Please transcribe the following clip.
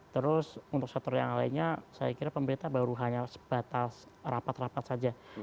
terus untuk sektor yang lainnya saya kira pemerintah baru hanya sebatas rapat rapat saja